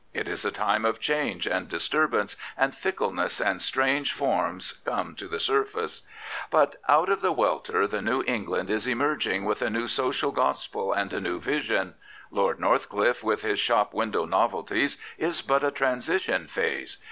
It is a time of change and disturbance and fickleness and strange forms come to the surface; but out of the welter the new England is emerging with a new social gospel and a new vision. Lord Norj;h~ clilfe, with his shop window novelties, is but a tran sition phase.